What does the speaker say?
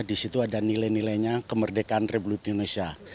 di situ ada nilai nilainya kemerdekaan republik indonesia